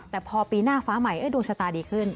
แต่พอปีหน้าฟ้าใหม่ดวงชะตาดีขึ้น